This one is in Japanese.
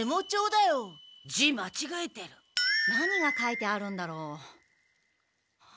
何が書いてあるんだろ。